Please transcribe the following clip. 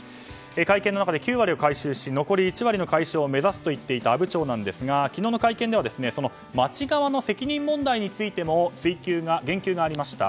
会見の中で、９割を回収し残り１割の回収を目指すといっていた阿武町なんですが昨日の会見では町側の責任問題についても言及がありました。